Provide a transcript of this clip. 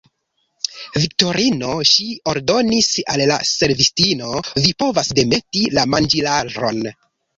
Viktorino, ŝi ordonis al la servistino, vi povas demeti la manĝilaron.